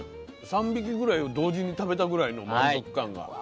３匹ぐらい同時に食べたぐらいの満足感が。